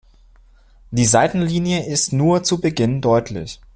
Die Seitenlinie ist nur zu Beginn deutlich.